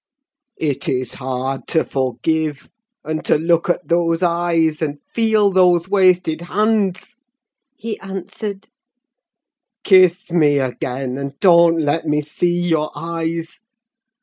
"It is hard to forgive, and to look at those eyes, and feel those wasted hands," he answered. "Kiss me again; and don't let me see your eyes!